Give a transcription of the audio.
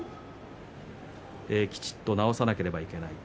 きちんと治さなければいけない。